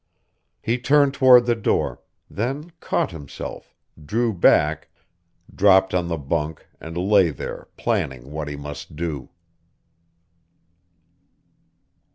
He turned toward the door; then caught himself, drew back, dropped on the bunk and lay there, planning what he must do.